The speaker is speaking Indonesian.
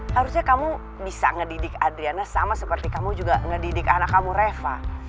harusnya kamu bisa ngedidik adriana sama seperti kamu juga ngedidik anak kamu reva